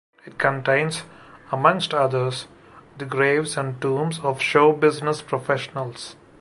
It contains-amongst others-the graves and tombs of showbusiness professionals.